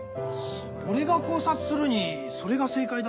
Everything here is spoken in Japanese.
俺が考察するにそれが正解だね。